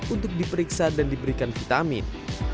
untuk diperiksa dan diberikan vitamin